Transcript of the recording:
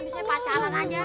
bisa pacaran aja